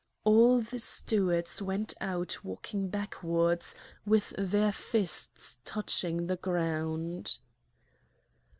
All the stewards went out walking backwards, with their fists touching the ground.